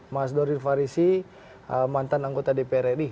mas dorir farisi mantan anggota dpr ri